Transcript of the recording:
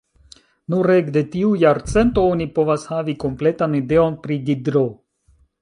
Nur ekde tiu jarcento oni povas havi kompletan ideon pri Diderot.